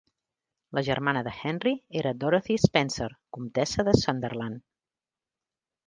La germana de Henry era Dorothy Spencer, comtessa de Sunderland.